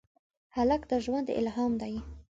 هلک د ژونده الهام دی.